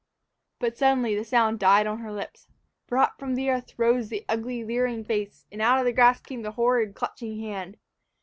But suddenly the sound died on her lips. For up from the earth rose the ugly, leering face, and out of the grass came the horrid, clutching hand!